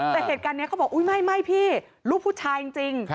แต่เหตุการณ์นี้เขาบอกอุ๊ยไม่พี่ลูกผู้ชายจริง